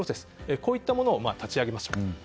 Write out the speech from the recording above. こういったものを立ち上げました。